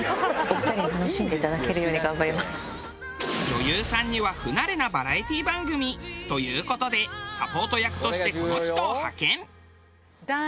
女優さんには不慣れなバラエティー番組という事でサポート役としてこの人を派遣。